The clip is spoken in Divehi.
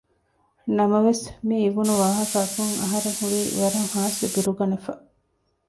ނަމަވެސް މިއިވުނު ވާހަކައަކުން އަހަރެން ހުރީ ވަރަށް ހާސްވެ ބިރުގަނެފަ